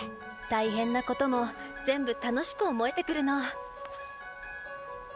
大変なことも全部楽しく思えてくるの。